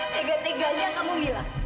tegak tegaknya kamu mila